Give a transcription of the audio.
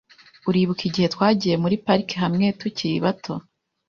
Uribuka igihe twagiye muri pariki hamwe tukiri bato?